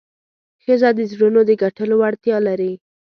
ښځه د زړونو د ګټلو وړتیا لري.